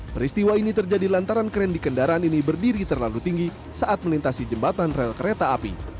peristiwa ini terjadi lantaran kren di kendaraan ini berdiri terlalu tinggi saat melintasi jembatan rel kereta api